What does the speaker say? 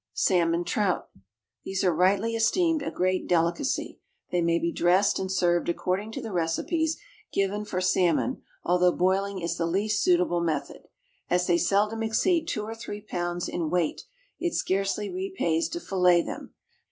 =Salmon Trout.= These are rightly esteemed a great delicacy. They may be dressed and served according to the recipes given for salmon, although boiling is the least suitable method. As they seldom exceed two or three pounds in weight, it scarcely repays to fillet them.